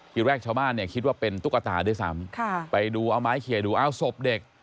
ทีแรกชาวบ้านเนี่ยคิดว่าเป็นตุ๊กตาด้วยซ้ำค่ะไปดูเอาไม้เขียนดูอ้าวศพเด็ก